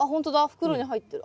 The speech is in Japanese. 袋に入ってる。